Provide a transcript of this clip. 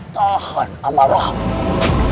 tahan sama rahmat